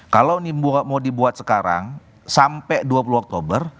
kalau mau dibuat sekarang sampai dua puluh oktober